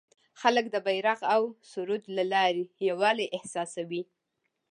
خلک د بیرغ او سرود له لارې یووالی احساسوي.